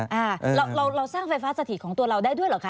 เราเราสร้างไฟฟ้าสถิตของตัวเราได้ด้วยเหรอคะ